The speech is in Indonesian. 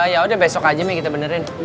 yaudah besok aja sih kita benerin